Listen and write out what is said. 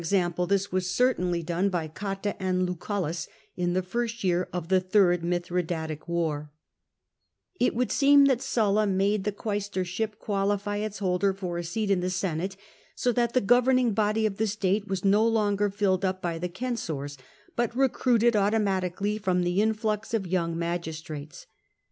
j this was certainly done by Cotta and Lucullus in the first year of the third Mithradatic war It would seem that Sulla made the quaestorship qualify its holder for a seat in the Senate, so that the governing body of the state was no longer filled up by the censors, but recruited automatically by the influx of young magistrates.